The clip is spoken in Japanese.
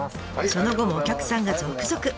その後もお客さんが続々。